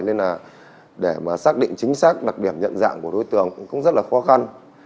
nên là để mà xác định chính xác đặc điểm nhận dạng của đối tượng cũng rất là khó khăn